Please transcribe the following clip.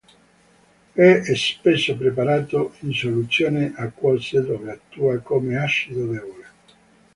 È spesso preparato in soluzione acquose dove attua come acido debole.